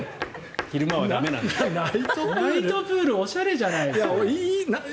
ナイトプールはおしゃれじゃないですか。